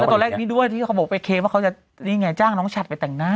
ตอนแรกนี้ด้วยที่เขาบอกไปเคว่าเขาจะนี่ไงจ้างน้องฉัดไปแต่งหน้า